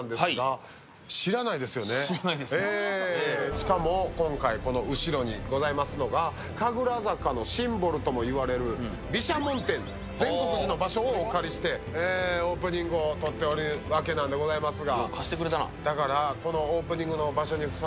しかも今回後ろにございますのが神楽坂のシンボルとも言われる毘沙門天善國寺の場所をお借りして、オープニングを撮っているわけなんですが。